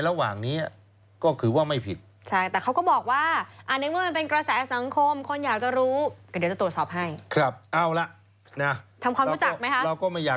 เราก็ไม่อยากจะให้รู้เวลาว่า